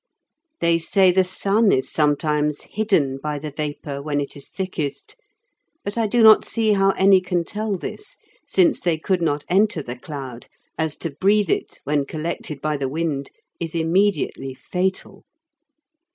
They say the sun is sometimes hidden by the vapour when it is thickest, but I do not see how any can tell this, since they could not enter the cloud, as to breathe it when collected by the wind is immediately fatal.